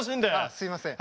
すいません。